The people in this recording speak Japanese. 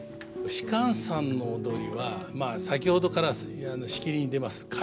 芝さんの踊りはまあ先ほどからしきりに出ます楷書。